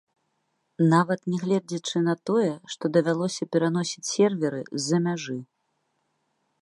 Нават нягледзячы на тое, што давялося пераносіць серверы з-за мяжы.